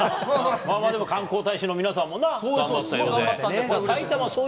でも、観光大使の皆さんもな、頑張ったようで。